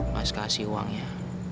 mas kasih uangnya